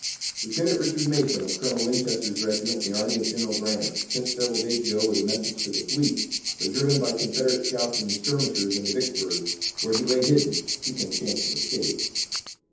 "Lieutenant Richard Mason of Colonel Winchester's regiment in the army of General Grant, sent several days ago with a message to the fleet, but driven by Confederate scouts and skirmishers into Vicksburg, where he lay hidden, seeking a chance of escape."